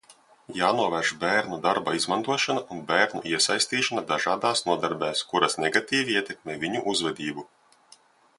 Jānovērš bērnu darba izmantošana un bērnu iesaistīšana dažādās nodarbēs, kuras negatīvi ietekmē viņu uzvedību.